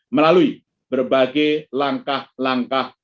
melalui berbagai langkah langkah